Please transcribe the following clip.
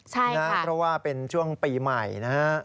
เพราะว่าเป็นช่วงปีใหม่นะฮะ